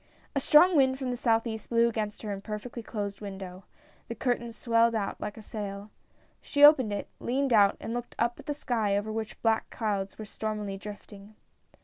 A strong wind from the southeast blew against her imperfectly closed window; the curtains swelled out like a sail. She opened it, leaned out and looked up at the sky, over which black clouds were stormily drifting.